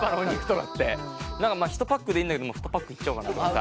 １パックでいいんだけど２パックいっちゃおうかなとかさ。